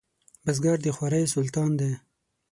بزګر د خوارۍ سلطان دی